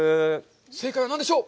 正解は何でしょう？